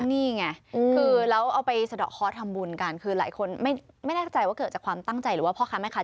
นี่ไงคือแล้วเอาไปสะดอกเคาะทำบุญกันคือหลายคนไม่แน่ใจว่าเกิดจากความตั้งใจหรือว่าพ่อค้าแม่ค้า